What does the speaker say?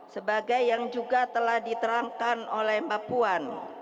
sebagai yang juga telah diterangkan oleh mbak puan